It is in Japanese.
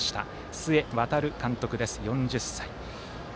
須江航監督です、４０歳。